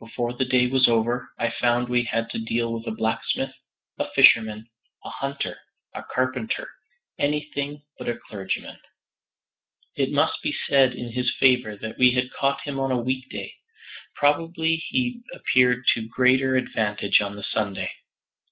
Before the day was over, I found we had to deal with a blacksmith, a fisherman, a hunter, a carpenter, anything but a clergyman. It must be said in his favor that we had caught him on a weekday; probably he appeared to greater advantage on the Sunday.